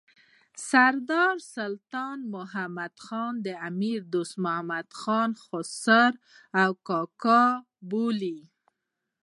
سردار سلطان احمد خان د امیر دوست محمد خان خسر او کاکا بولي.